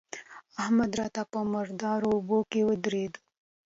احمد راته په مردارو اوبو کې ودرېد.